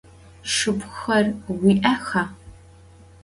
Şşıpxhuxer vui'exa?